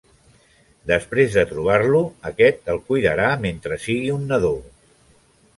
Després de trobar-lo, aquest el cuidarà mentre sigui un nadó.